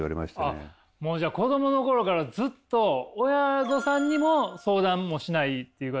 あっもうじゃあ子どもの頃からずっと親御さんにも相談もしないっていう感じですか？